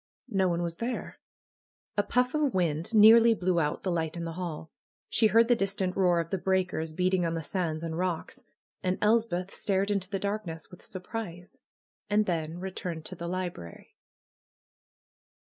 No one was there. A puff of wind near ly blew out the light in the hall. She heard the dis tant roar of the breakers, beating on the sands and roclvs. And Elspeth stared into the darkness with surprise, and then returned to the library.